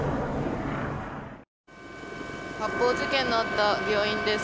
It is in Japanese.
発砲事件のあった病院です。